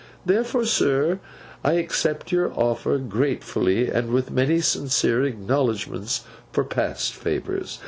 Therefore, sir, I accept your offer gratefully, and with many sincere acknowledgments for past favours.